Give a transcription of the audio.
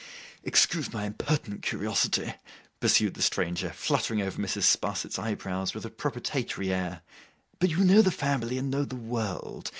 'Excuse my impertinent curiosity,' pursued the stranger, fluttering over Mrs. Sparsit's eyebrows, with a propitiatory air, 'but you know the family, and know the world.